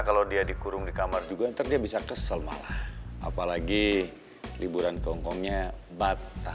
kalau dia dikurung di kamar juga nanti dia bisa kesel malah apalagi liburan ke hongkongnya batah